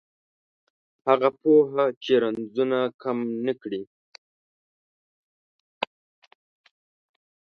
هغه پوهه چې رنځونه کم نه کړي